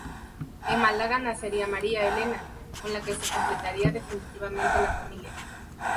En Málaga nacería María Elena, con la que se completaría definitivamente la familia.